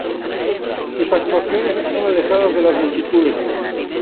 Sus actuaciones están alejadas de las multitudes.